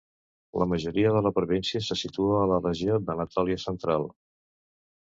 La majoria de la província se situa a la Regió d'Anatòlia Central.